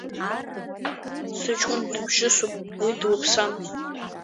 Сыҷкәын дыбжьысуп, уи длыԥсам.